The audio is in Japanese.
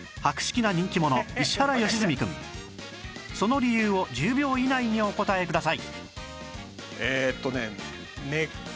同じく１０秒以内にお答えください